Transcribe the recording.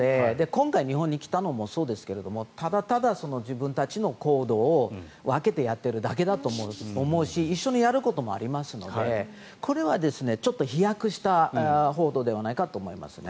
今回、日本に来たのもそうですがただただ自分たちの行動を分けてやっているだけだと思うし一緒にやることもありますのでこれはちょっと飛躍した報道ではないかと思います。